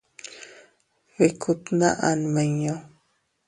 Bikku tnaʼa nmiñu.